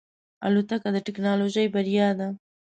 الوتکه د ټکنالوژۍ بریا ده.